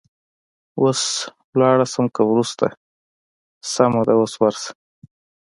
اوس ولاړه شم که وروسته؟ سمه ده، اوس ورشه.